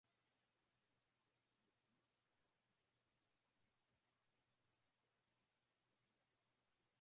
aliweka wazi dukuduku lake katika suala hali kwangu mimi ningesema wananchi kwa jumla